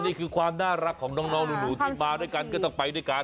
นี่คือความน่ารักของน้องหนูที่มาด้วยกันก็ต้องไปด้วยกัน